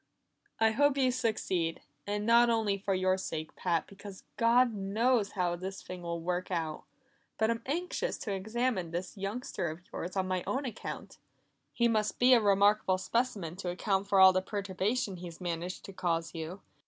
"I hope you succeed; and not only for your sake, Pat, because God knows how this thing will work out. But I'm anxious to examine this youngster of yours on my own account; he must be a remarkable specimen to account for all the perturbation he's managed to cause you.